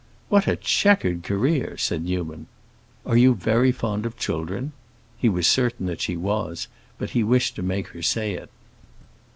"What a checkered career!" said Newman. "Are you very fond of children?" He was certain that she was, but he wished to make her say it.